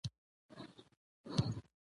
توی ته څم ،یعنی واده ته روان یم